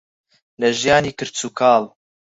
لە ژیانی کرچ و کاڵ.